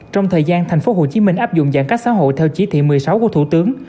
trong thời gian tp hcm áp dụng giãn cách xã hội theo chỉ thị một mươi sáu của thủ tướng